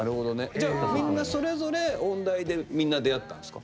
じゃあみんなそれぞれ音大でみんな出会ったんですか？